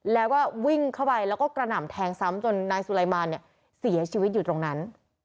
แล้วก็วิ่งเข้าไปแล้วก็กระหน่ำแทงซ้ำจนนายสุไลมารเนี่ยเสียชีวิตอยู่ตรงนั้น